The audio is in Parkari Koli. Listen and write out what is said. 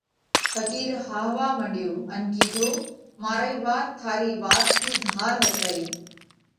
ڦقِير هاهوا مڏيو ان ڪِيڌو: مارئِي وات ٿارِي وات ٿِي ڌار هتئِي۔